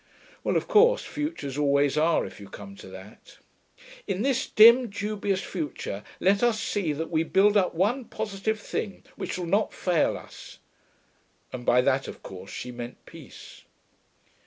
Well, of course futures always are, if you come to that. 'In this dim, dubious future, let us see that we build up one positive thing, which shall not fail us....' And by that, of course, she meant Peace.